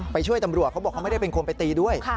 ช่วยตำรวจเขาบอกเขาไม่ได้เป็นคนไปตีด้วย